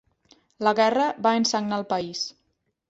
La guerra va ensagnar el país.